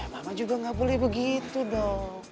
ya mama juga gak boleh begitu dong